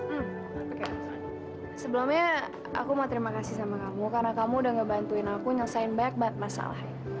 hmm sebelumnya aku mau terima kasih sama kamu karena kamu udah ngebantuin aku nyelesain banyak banget masalah